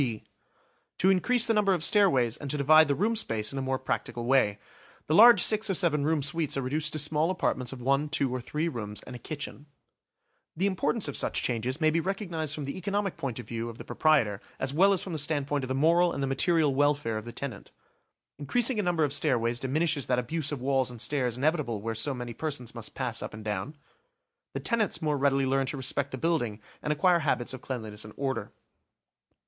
B: To increase the number of stairways, and to divide the room space in a more practical way. The large six or seven room suites are reduced to small apartments of one, two, or three rooms, and a kitchen. The importance of such changes may be recognised from the economic point of view of the proprietor as well as from the standpoint of the moral and the material welfare of the tenant. Increasing a number of stairways diminishes that abuse of walls and stairs inevitable where so many persons must pass up and down. The tenants more readily learn to respect the building and acquire habits of cleanliness and order.